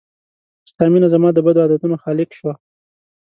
ستا مينه زما د بدو عادتونو خالق شوه